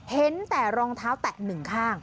เห็นแต่รองเท้าแตะหนึ่งข้าง